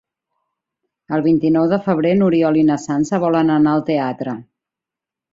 El vint-i-nou de febrer n'Oriol i na Sança volen anar al teatre.